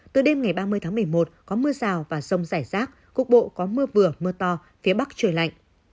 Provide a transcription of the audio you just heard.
từ đêm ngày ba mươi tháng một mươi một có mưa rào và rông rải rác cục bộ có mưa vừa mưa to phía bắc trời lạnh